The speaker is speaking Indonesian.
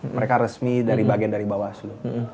mereka resmi dari bagian dari bawah aslo